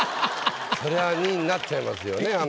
それは２位になっちゃいますよね